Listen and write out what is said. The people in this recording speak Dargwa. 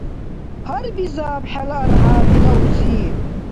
Гьарбизаб хӀела архӀя, дила узи.